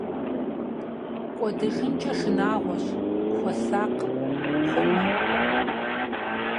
КӀуэдыжынкӀэ шынагъуэщ, хуэсакъ, хъумэ!